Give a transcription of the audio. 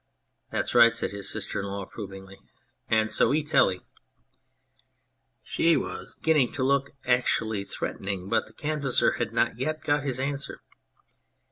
That's right," said his sister in law, approvingly, " and so e tell 'ee !" She was beginning to look actually threatening, but the Canvasser had not yet got his answer.